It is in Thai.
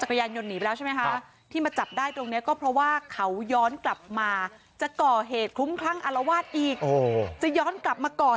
คุณอย่าไปเจอเขาได้ไงตอนที่เขาทำท่าจะเผาบ้าน